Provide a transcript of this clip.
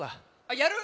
やる？